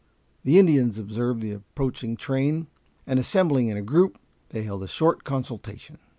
The Indians observed the approaching train, and assembling in a group, they held a short consultation.